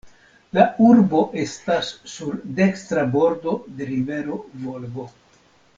La urbo estas sur dekstra bordo de rivero Volgo.